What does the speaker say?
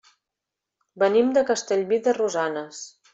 Venim de Castellví de Rosanes.